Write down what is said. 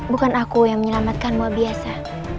bukan aku yang menyelamatkanmu biasa